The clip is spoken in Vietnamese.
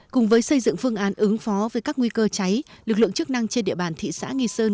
cùng với xây dựng phương án ứng phó với các nguy cơ cháy lực lượng chức năng trên địa bàn thị xã nghi sơn